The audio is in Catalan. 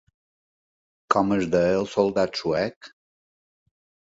Com es deia el soldat suec?